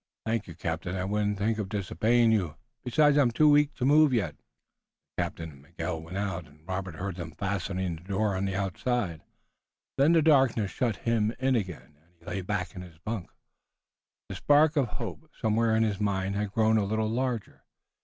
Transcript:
"Thank you, captain. I wouldn't think of disobeying you. Besides, I'm too weak to move yet." The captain and Miguel went out, and Robert heard them fastening the door on the outside. Then the darkness shut him in again, and he lay back in his bunk. The spark of hope somewhere in his mind had grown a little larger.